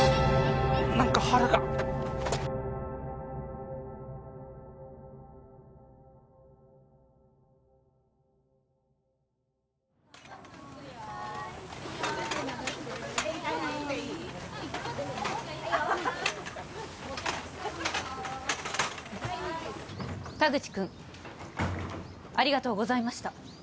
何か腹が田口君ありがとうございました